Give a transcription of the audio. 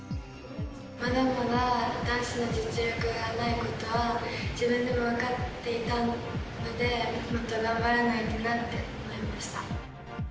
まだまだダンスの実力がないことは、自分でも分かっていたので、もっと頑張らないとなと思いました。